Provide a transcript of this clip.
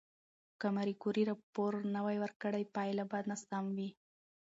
که ماري کوري راپور نه ورکړي، پایله به ناسم وي.